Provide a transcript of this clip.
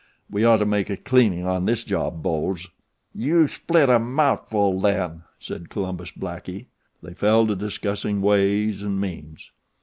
We ought to make a cleaning on this job, boes." "You spit a mout'ful then," said Columbus Blackie. They fell to discussing way and means.